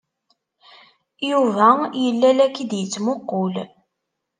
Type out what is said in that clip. Yuba yella la k-id-yettmuqqul.